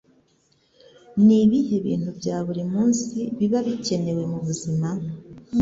Nibihe bintu bya buri munsi biba bikenewe mubuzima?